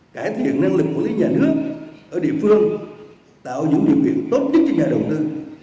cải thiện năng lực quản lý nhà nước ở địa phương tạo những điều kiện tốt nhất cho nhà đầu tư